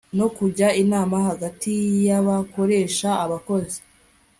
no kujya inama hagati y abakoresha abakozi